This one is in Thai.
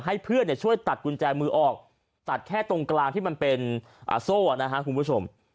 ให้เพื่อนช่วยตัดกุญแจมือออกตัดแค่ตรงกลางที่มันเป็นโซ่นะครับคุณผู้ชม